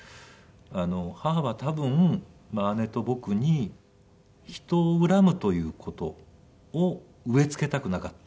母は多分姉と僕に人を恨むという事を植え付けたくなかった。